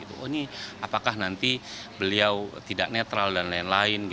oh ini apakah nanti beliau tidak netral dan lain lain